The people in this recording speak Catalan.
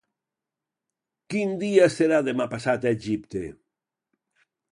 Quin dia serà demà passat a Egipte?